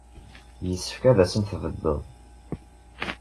Yessefk ad asen-tbedded.